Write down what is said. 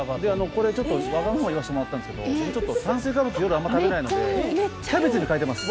これちょっとわがままを言わせてもらったんですけどちょっと炭水化物夜あんま食べないのでキャベツに変えてます。